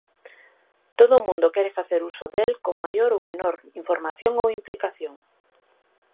Todo o mundo quere facer uso del con maior ou menor información ou implicación.